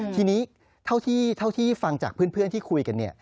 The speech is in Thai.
ทีนี้เท่าที่ฟังจากเพื่อนที่คุยกัน